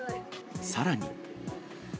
さらに。